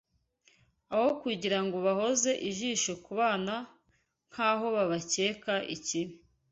Aho kugira ngo bahoze ijisho ku bana nk’aho babakeka ikibi